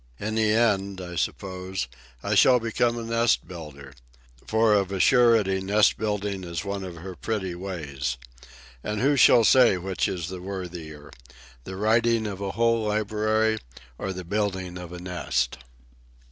In the end, I suppose, I shall become a nest builder, for of a surety nest building is one of her pretty ways. And who shall say which is the worthier—the writing of a whole library or the building of a nest?